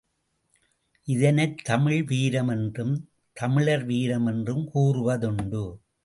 இதனைத் தமிழ் வீரம் என்றும், தமிழர் வீரம் என்றும் கூறுவதுண்டு.